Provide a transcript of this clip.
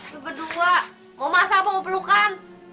lu berdua mau masak apa mau pelukan